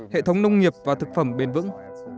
hệ thống nông nghiệp và thực phẩm bền vững